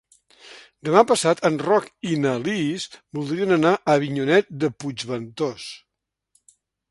Demà passat en Roc i na Lis voldrien anar a Avinyonet de Puigventós.